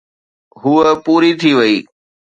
هوءَ پوري ٿي وئي.